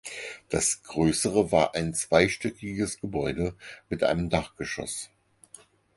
Das größere war ein zweistöckiges Gebäude mit einem Dachgeschoss.